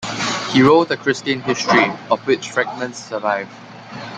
He wrote a Christian history of which fragments survive.